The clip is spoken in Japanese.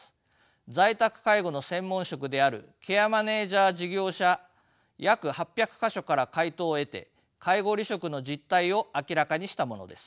在宅介護の専門職であるケアマネージャー事業所約８００か所から回答を得て介護離職の実態を明らかにしたものです。